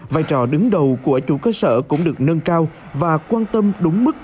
vai trò đứng đầu của chủ cơ sở cũng được nâng cao và quan tâm đúng mức